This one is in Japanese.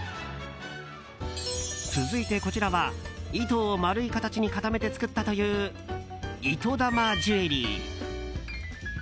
続いてこちらは糸を丸い形に固めて作ったという糸玉ジュエリー。